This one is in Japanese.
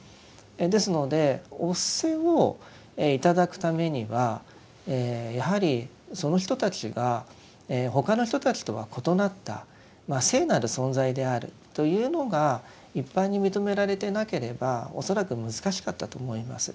ですのでお布施を頂くためにはやはりその人たちが他の人たちとは異なった聖なる存在であるというのが一般に認められてなければ恐らく難しかったと思います。